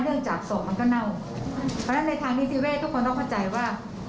เรื่องจากศพมันก็เน่าเพราะฉะนั้นในทางนิติเวศทุกคนต้องเข้าใจว่า